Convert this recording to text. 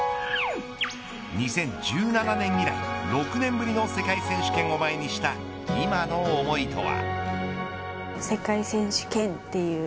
２０１７年以来６年ぶりの世界選手権を前にした今の思いとは。